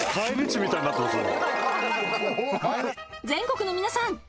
全国の皆さん